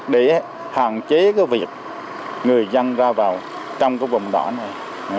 để hạn chế cái việc người dân ra vào trong cái vùng đỏ này